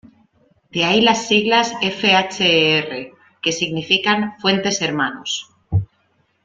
De ahí las siglas, Fher, que significan "Fuentes Hermanos".